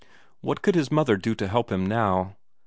What could his mother do to help him now?